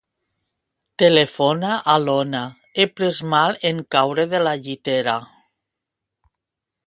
Telefona a l'Ona; he pres mal en caure de la llitera.